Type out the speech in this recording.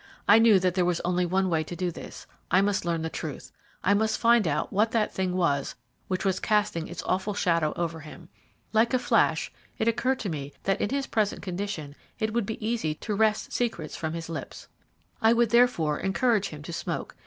I knew that there was only one way to do this. I must learn the truth I must find out what that thing was which was casting its awful shadow over him. Like a flash it occurred to me that in his present condition it would be easy to wrest secrets from his lips. I would, therefore, encourage him to smoke.